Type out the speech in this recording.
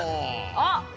あっ！